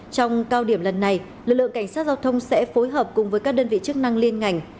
trong cao điểm lần này lực lượng cảnh sát giao thông sẽ phối hợp cùng với các đơn vị chức năng liên ngành